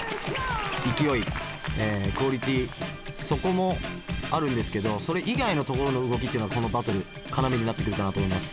クオリティーそこもあるんですけどそれ以外のところの動きっていうのがこのバトル要になってくるかなと思います。